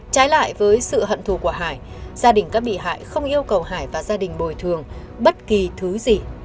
trái lại với sự hận thù của hải gia đình các bị hại không yêu cầu hải và gia đình bồi thường bất kỳ thứ gì